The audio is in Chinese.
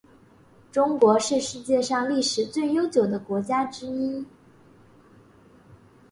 中国是世界上历史最悠久的国家之一。